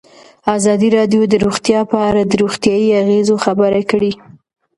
ازادي راډیو د روغتیا په اړه د روغتیایي اغېزو خبره کړې.